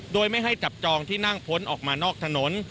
โดยไม่ให้จับจองที่นั่งพ้นออกมานอกถนน